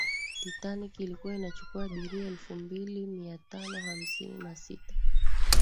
titanic ilikuwa inachukua abiria elfu mbili mia tano hamsini na sita